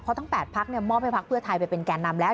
เพราะทั้ง๘ภักดิ์มอบให้ภักดิ์เพื่อไทยไปเป็นแกนนำแล้ว